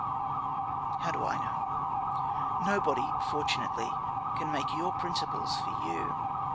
How do I know? Nobody, fortunately, can make your principles for you.